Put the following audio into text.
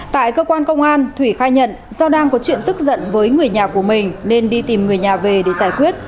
tại cơ quan công an thủy khai nhận do đang có chuyện tức giận với người nhà của mình nên đi tìm người nhà về để giải quyết